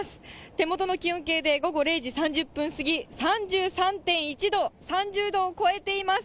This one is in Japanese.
手元の気温計で午後０時３０分過ぎ、３３．１度、３０度を超えています。